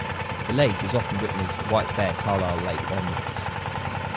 The lake is often written as "White Bear (Carlyle) Lake" on maps.